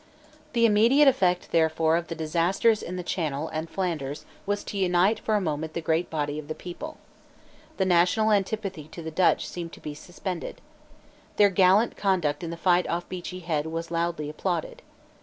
The immediate effect therefore of the disasters in the Channel and in Flanders was to unite for a moment the great body of the people. The national antipathy to the Dutch seemed to be suspended. Their gallant conduct in the fight off Beachy Head was loudly applauded.